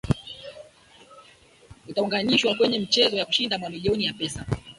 utaungwanishwa kwenye michezo ya kushinda mamilioni ya pesa